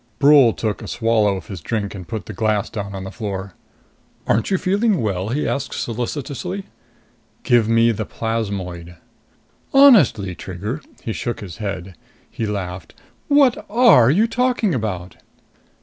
Brule took a swallow of his drink and put the glass down on the floor. "Aren't you feeling well?" he asked solicitously. "Give me the plasmoid." "Honestly, Trigger." He shook his head. He laughed. "What are you talking about?"